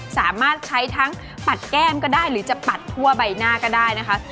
สามารถใช้ทั้งปัดแก้มก็ได้หรือจะปัดทั่วใบหน้าก็ได้นะคะ